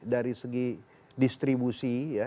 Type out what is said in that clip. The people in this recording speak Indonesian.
dari segi distribusi ya